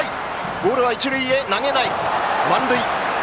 ボールは一塁へ投げない。